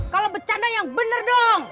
kalau bercanda yang benar dong